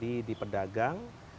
harga wajar di pedagang